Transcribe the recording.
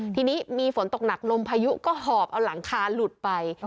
ทีนี้มีฝนตกหนักลมพายุก็หอบเอาหลังคาหลุดไป